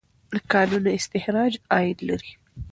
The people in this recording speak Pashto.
د کانونو استخراج عاید لري.